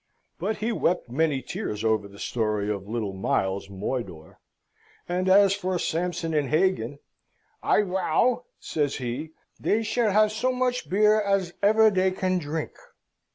But he wept many tears over the story of little Miles's moidore; and as for Sampson and Hagan, "I wow," says he, "dey shall have so much beer als ever dey can drink."